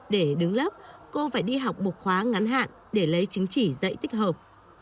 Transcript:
để đứng lớp cô phải đi học một khóa ngắn hạn để lấy chứng chỉ dạy tích hợp